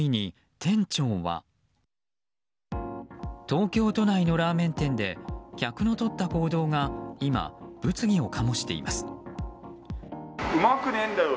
東京都内のラーメン店で客の取った行動が今、物議を醸しています。